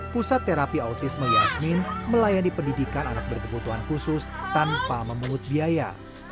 pusat terapi autisme yasmin melayani pendidikan anak berkebutuhan khusus tanpa memungut biaya